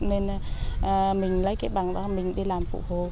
nên mình lấy cái bằng đó mình đi làm phụ hồ